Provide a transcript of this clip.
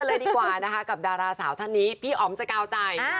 เลยดีกว่านะคะกับดาราสาวท่านนี้พี่อ๋อมสกาวใจ